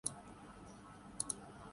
، اسے انسان بھی بنائے گا۔